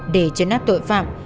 để chấn áp tội phạm